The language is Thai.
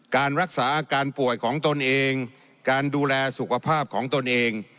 การรักษาอาการป่วยของตนเองการดูแลสุขภาพของตนเอง